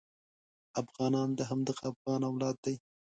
افغانان د همدغه افغان اولاد دي.